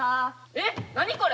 えっ何これ！